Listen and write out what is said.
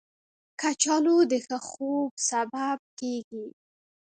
کچالو د ښه خوب سبب کېږي